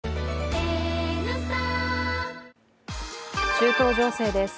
中東情勢です。